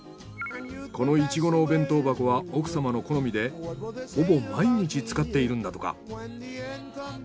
このいちごのお弁当箱は奥様の好みでほぼ毎日使っているんだとか。